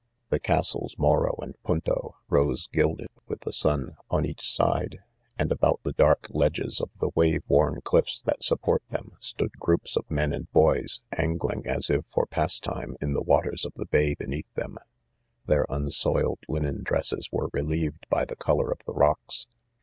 The castles Moro and Panto, rose gilded with the sun, on each side j and about the dark ledges of the wave worn cliffs that support them, stood groups of men and boys, angling, as if for pas time, in the waters of thehay^oueatli themj their /unsoiled. linen dresses. . were, jelieveiAy the color of the rocks